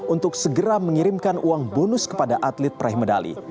untuk segera mengirimkan uang bonus kepada atlet peraih medali